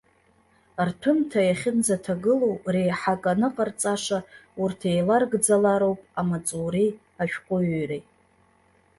Рҭәымҭа иахьынӡаҭагылоу, реиҳа акы аныҟарҵаша, урҭ еиларгӡалароуп амаҵуреи ашәҟәыҩҩреи.